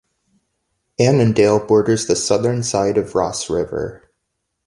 Annandale borders the southern side of Ross River.